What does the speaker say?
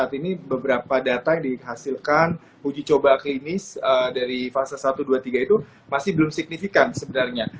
saat ini beberapa data yang dihasilkan uji coba klinis dari fase satu dua tiga itu masih belum signifikan sebenarnya